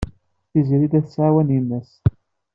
Tiziri la tettɛawan yemma-s.